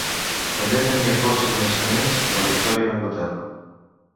També tenia força coneixements de la història d'Anglaterra.